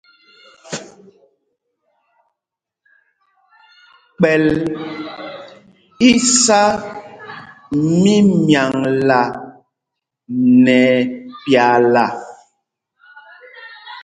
Kpɛ̂l í sá mímyaŋla nɛ ɛpyaala.